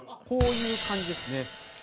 こういう感じですね。